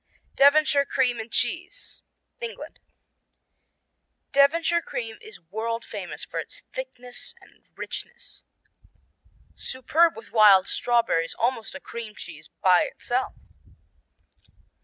Devonshire cream and cheese England Devonshire cream is world famous for its thickness and richness. Superb with wild strawberries; almost a cream cheese by itself.